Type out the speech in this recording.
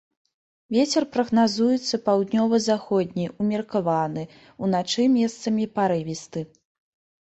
Вецер прагназуецца паўднёва-заходні ўмеркаваны, уначы месцамі парывісты.